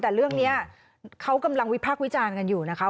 แต่เรื่องนี้เขากำลังวิพากษ์วิจารณ์กันอยู่นะคะ